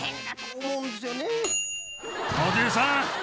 おじさん！